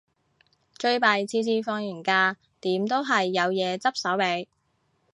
最弊次次放完假，點都係有嘢執手尾